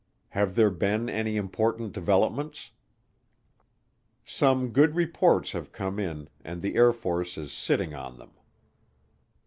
Have there been any important developments? Some good reports have come in and the Air Force is sitting on them.